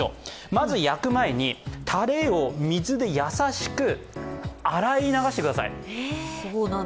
まず焼く前にタレを水で優しく洗い流してください。